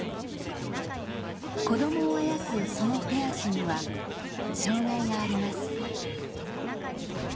子供をあやすその手足には障害があります